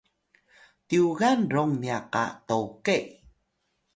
tyugal rom nya qa tokey